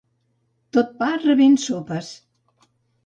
Tot pa revén sopes.